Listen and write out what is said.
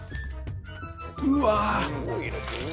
うわ！